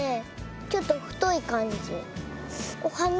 ちょっとふといかんじ。